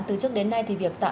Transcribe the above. từ trước đến nay thì việc tạo